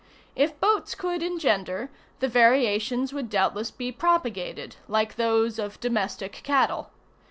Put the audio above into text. If boats could engender, the variations would doubtless be propagated, like those of domestic cattle.